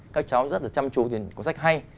các cháu rất là chăm chú về những cuốn sách hay